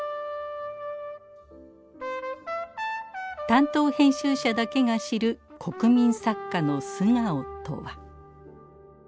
担当編集者だけが知る国民作家の素顔とは？